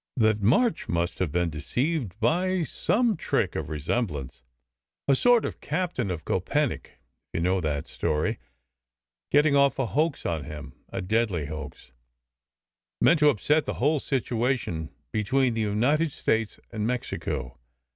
That March must have been deceived by some trick of resemblance a sort of Captain of Kopenick (if you know that story) ; getting off a hoax on him, a deadly hoax, meant to upset the whole situ ation between the United States and Mexico.